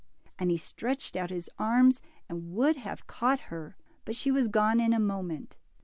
" and he stretched out his arms, and would have caught her, but she was gone in a moment.